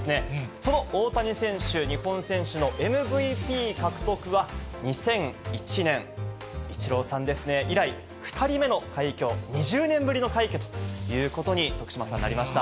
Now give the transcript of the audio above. その大谷選手、日本選手のＭＶＰ獲得は２００１年、イチローさんですね、以来、２人目の快挙、２０年ぶりの快挙ということに、徳島さん、なりました。